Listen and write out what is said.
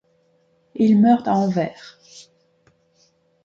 Il meurt à Anvers.